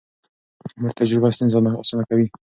د مور تجربه ستونزې اسانه کوي.